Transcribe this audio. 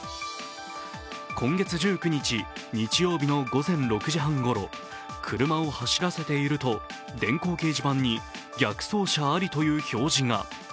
今月１９日、日曜日の午前６時半ごろ車を走らせていると、電光掲示板に「逆走車あり」という表示が。